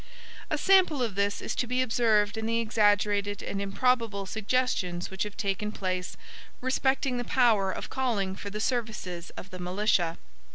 A sample of this is to be observed in the exaggerated and improbable suggestions which have taken place respecting the power of calling for the services of the militia.